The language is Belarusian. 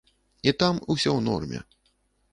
І там усё ў норме.